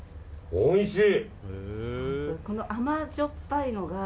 おいしい！